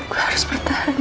gue harus bertahan